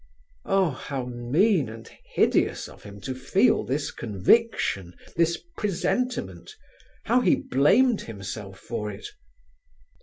(Oh, how mean and hideous of him to feel this conviction, this presentiment! How he blamed himself for it!)